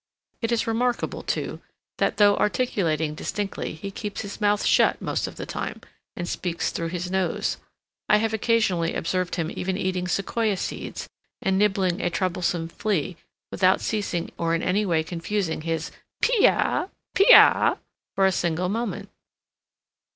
It is remarkable, too, that, though articulating distinctly, he keeps his mouth shut most of the time, and speaks through his nose. I have occasionally observed him even eating Sequoia seeds and nibbling a troublesome flea, without ceasing or in any way confusing his "Pee ah! pee ah!" for a single moment.